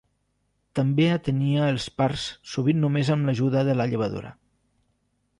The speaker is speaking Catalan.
També atenia els parts sovint només amb l'ajuda de la llevadora.